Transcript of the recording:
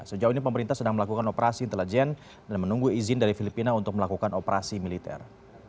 sejauh ini pemerintah sedang melakukan operasi intelijen dan menunggu izin dari filipina untuk melakukan operasi militer